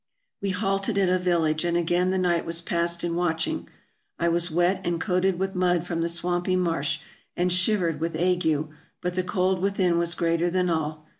We halted at a village, and again the night was passed in watching. I was wet, and coated with mud from the swampy marsh, and shivered with ague ; but the cold within was greater than all.